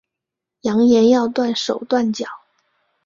扬言要断手断脚